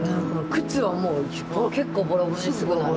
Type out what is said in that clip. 靴はもう結構ボロボロにすぐなる。